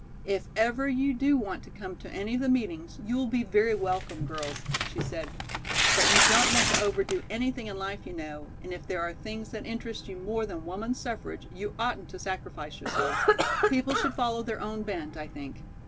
"If ever you do want to come to any of the meetings, you will be very welcome, girls," she said; "but you don't want to overdo anything in life, you know, and if there are things that interest you more than Woman's Suffrage you oughtn't to sacrifice yourselves. People should follow their own bent, I think.